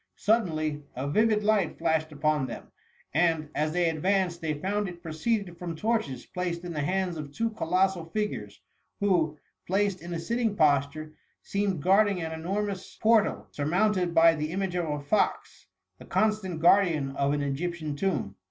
Suddenly, a vivid light flashed upon them, and, as they advanced, they found it proceeded from torches placed in the hands of two colossal figures, who, placed in a sitting posture, seemed guarding an enormous portal, surmounted by the image of a fox, the constant guardian of an Egyptian tomb.